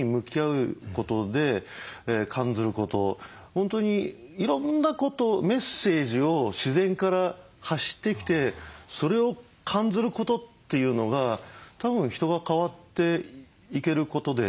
本当にいろんなことをメッセージを自然から発してきてそれを感ずることっていうのがたぶん人が変わっていけることであったりすると思うんですね。